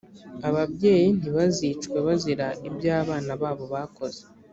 ababyeyi ntibazicwe bazira ibyo abana babo bakoze,